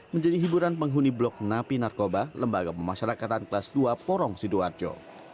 menjadi hiburan penghuni blok napi narkoba lembaga pemasyarakatan kelas dua porong sidoarjo